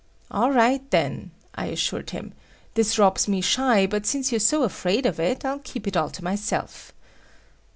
"All right, then," I assured him, "this robs me shy, but since you're so afraid of it, I'll keep it all to myself."